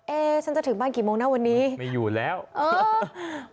เอ๊ะฉันจะถึงบ้านกี่โมงหน้าวันนี้เอ๊ะไปดูคลิปกัน